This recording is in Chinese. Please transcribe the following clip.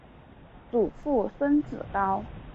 祖父孙子高。